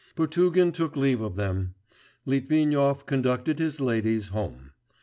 Potugin took leave of them; Litvinov conducted his ladies home.